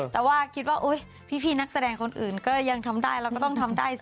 แต่ว่าคิดว่าพี่นักแสดงคนอื่นก็ยังทำได้เราก็ต้องทำได้